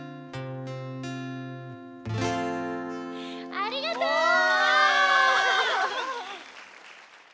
「」「」ありがとう！おお！